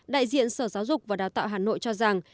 đại diện sở giáo dục và đào tạo hà nội cho rằng